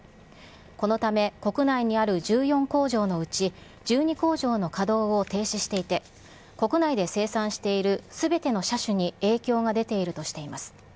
このため、国内にある１４工場のうち、１２工場の稼働を停止していて、国内で生産しているすべての車種に影響が出ているとしています。